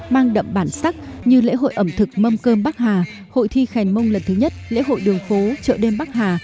mang đậm bản sắc như lễ hội ẩm thực mâm cơm bắc hà hội thi khèn mông lần thứ nhất lễ hội đường phố chợ đêm bắc hà